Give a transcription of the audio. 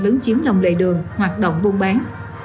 lứng chiếm lòng đầy đường hoạt động buôn bán